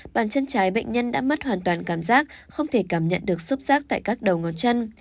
bàn chân trái bệnh nhân đã mất hoàn toàn cảm giác không thể cảm nhận được sốc rác tại các đầu ngón chân